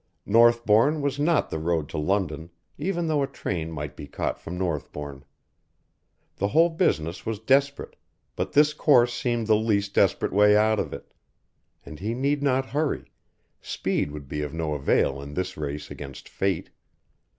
Northbourne was not the road to London, even though a train might be caught from Northbourne. The whole business was desperate, but this course seemed the least desperate way out of it. And he need not hurry, speed would be of no avail in this race against Fate.